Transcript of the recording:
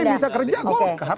karena bisa kerja golkar